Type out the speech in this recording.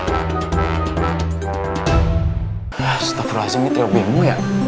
astagfirullahaladzim ini trio bemo ya